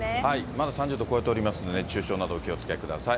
まだ３０度超えておりますので、熱中症などお気をつけください。